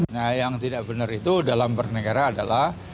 nah yang tidak benar itu dalam bernegara adalah